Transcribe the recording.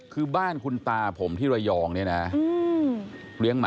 ตื่นมาตู้ข้าวล้มแล้วจ้ะ